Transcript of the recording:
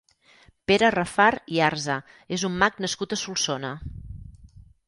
Pere Rafart i Arza és un mag nascut a Solsona.